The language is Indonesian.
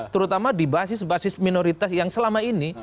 terutama di basis basis minoritas yang selama ini